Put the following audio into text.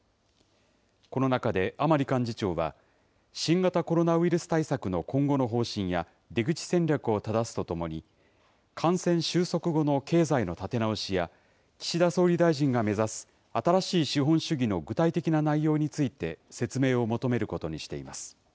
この中で甘利幹事長は、新型コロナウイルス対策の今後の方針や、出口戦略をただすとともに、感染収束後の経済の立て直しや、岸田総理大臣が目指す新しい資本主義の具体的な内容について、説明を求めることにしています。